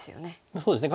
そうですね